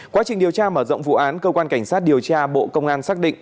quá trình điều tra mở rộng vụ án cơ quan cảnh sát điều tra bộ công an xác định